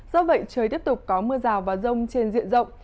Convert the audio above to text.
do vậy trời tiếp tục có mưa rào và rông trên diện rộng